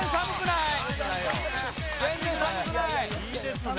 いいですね。